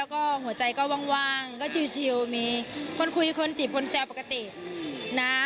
แล้วก็หัวใจก็ว่างก็ชิลมีคนคุยคนจีบคนแซวปกตินะ